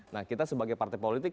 nah kita sebagai partai politik